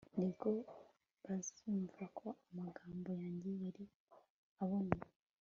ni bwo bazumva ko amagambo yanjye yari aboneye